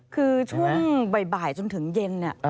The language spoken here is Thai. คือช่วงบ่ายจนถึงเย็น